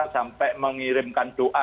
sampai mengirimkan doa